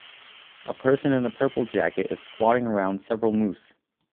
A person in a purple jacket is squatting around several moose